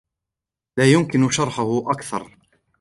لا يمكنني شرحهُ أكثر.